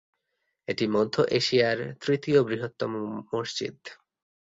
এটি মধ্য এশিয়ার তৃতীয় বৃহত্তম মসজিদ।